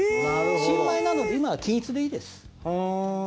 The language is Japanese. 新米なので今は均一でいいです。